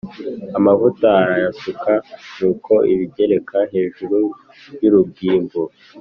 amavuta arayasuka Nuko abigereka hejuru y urugimbu